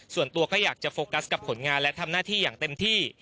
ส่วนตัวก็อยากจะโฟกัสกับผลงานและทำหน้าที่อย่างเต็มที่